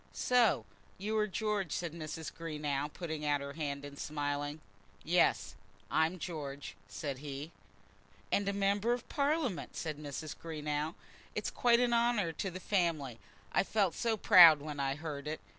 "So you are George," said Mrs. Greenow, putting out her hand and smiling. "Yes; I'm George," said he. "And a Member of Parliament!" said Mrs. Greenow. "It's quite an honour to the family. I felt so proud when I heard it!"